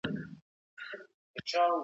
په ټوله کي له فارسي فرهنګ څخه ګټه اخیستي ده،